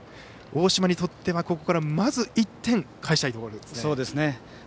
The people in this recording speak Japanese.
大島にとってはここからまず１点返したいところですね。